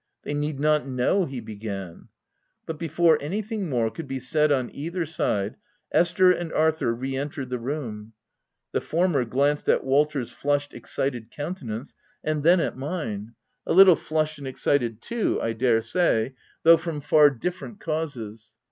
f< They need not know," he began, but before anything more could be said on either side, Esther and Arthur re entered the room. The former glanced at Walter's flushed, excited countenance, and then at mine — a little flushed and excited too, I dare say, though from far 356 THE TENANT different causes.